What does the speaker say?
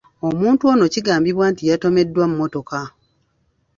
Omuntu ono kigambibwa nti yatomeddwa mmotoka.